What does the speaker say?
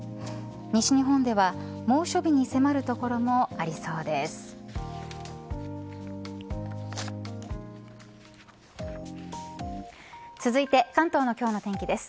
西日本では猛暑日に迫る所もありそうです。